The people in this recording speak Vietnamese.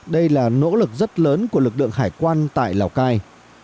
đây là nỗ lực rất lớn của lực lượng hải quan tại lào cai